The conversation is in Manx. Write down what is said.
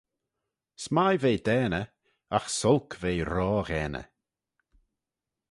S'mie ve daaney, agh s'olk ve ro ghaaney